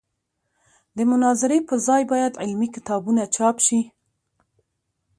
د مناظرې پر ځای باید علمي کتابونه چاپ شي.